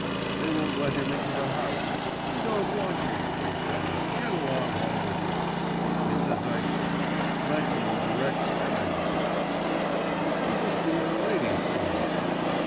'They won't let him into the house. "We don't want you," they say; "get along home with you." It's as I said; Sletkin directs every one.' 'But what does the young lady say?